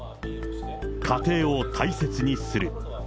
家庭を大切にする。